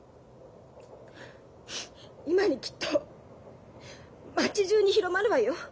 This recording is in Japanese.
今にきっと町じゅうに広まるわよ。